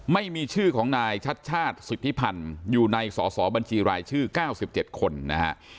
ไม่มีชื่อของนายชัดชาติสิทธิพันธ์อยู่ในสอสอบัญชีรายชื่อ๙๗คนนะฮะ